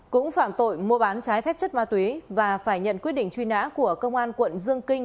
cũng phạm tội mua bán trái phép chất ma túy và phải nhận quyết định truy nã của công an quận dương kinh